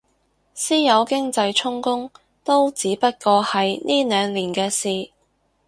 私有經濟充公都只不過係呢兩年嘅事